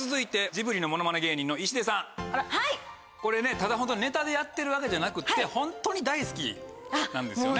ただホントにネタでやってるだけじゃなくってホントに大好きなんですよね？